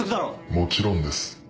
もちろんです。